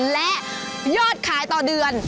และยอดขายต่อเดือน